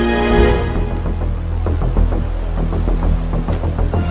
saya harus melakukan sesuatu yang baik